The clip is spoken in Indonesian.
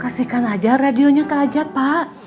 kasihkan aja radionya ke ajat pak